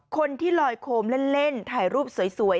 คนที่ลอยโคมเล่นถ่ายรูปสวย